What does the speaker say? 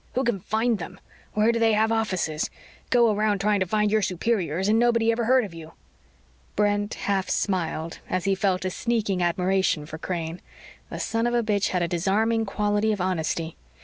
Who can find them? Where do they have offices? Go around trying to find your superiors and nobody ever heard of you." Brent half smiled as he felt a sneaking admiration for Crane. The son of a bitch had a disarming quality of honesty.